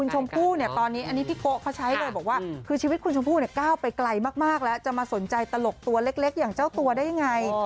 ให้โดยบอกว่าคือชีวิตคุณชมพู่เนี่ยก้าวไปไกลมากแล้วจะมาสนใจตลกตัวเล็กอย่างเจ้าตัวได้ยังไง